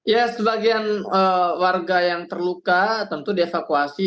ya sebagian warga yang terluka tentu dievakuasi